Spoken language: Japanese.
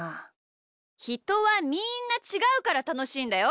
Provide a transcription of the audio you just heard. ひとはみんなちがうからたのしいんだよ。